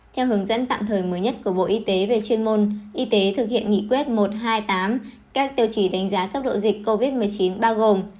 theo hướng dẫn tạm thời mới nhất của bộ y tế về chuyên môn y tế thực hiện nghị quyết một trăm hai mươi tám các tiêu chí đánh giá cấp độ dịch covid một mươi chín bao gồm